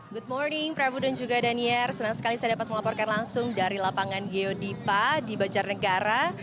good morning prabu dan juga daniel senang sekali saya dapat melaporkan langsung dari lapangan geodipa di banjarnegara